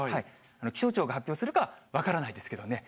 気象庁が発表するかは分からないですけどね。